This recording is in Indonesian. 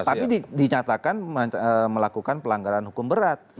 tapi dinyatakan melakukan pelanggaran hukum berat